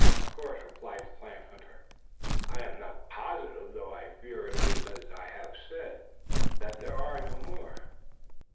"Of course," replied the plant hunter, "I am not positive though I fear it is as I have said that there are no more.